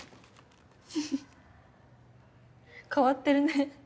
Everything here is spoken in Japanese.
フフフ変わってるね。